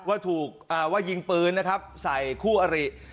ว่าถูกว่ายิงปืนนะครับใส่คู่อริ